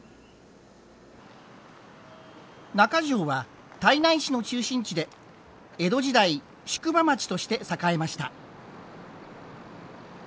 中条は胎内市の中心地で江戸時代宿場町として栄えました。